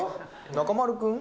中丸君？